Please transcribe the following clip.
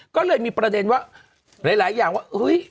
ก็เลยมีประเด็นว่าหลายอย่างว่าเฮ้ย